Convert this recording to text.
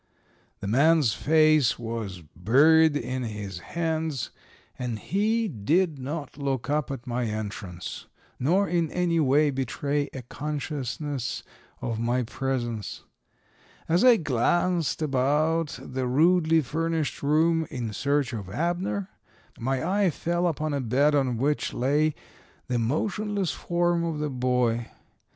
The man's face was buried in his hands, and he did not look up at my entrance, nor in any way betray a consciousness of my presence. As I glanced about the rudely furnished room in search of Abner, my eye fell upon a bed on which lay the motionless form of the boy.